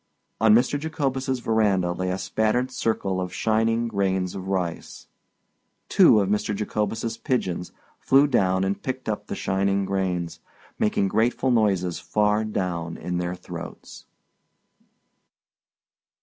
On Mr. Jacobus's veranda lay a spattered circle of shining grains of rice. Two of Mr. Jacobus's pigeons flew down and picked up the shining grains, making grateful noises far down in their throats.